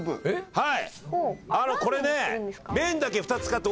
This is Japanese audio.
はい。